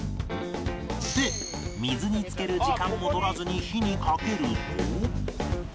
で水につける時間も取らずに火にかけると